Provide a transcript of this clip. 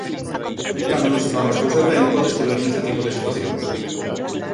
Cando non se fan as cousas ben pódeste ver neste tipo de situacións.